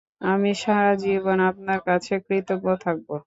আমি সারা জীবন আপনার কাছে কৃতজ্ঞ থাকবো।